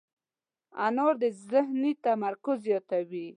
انار د ذهني تمرکز زیاتوي.